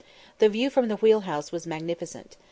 The view from the wheel house was magnificent.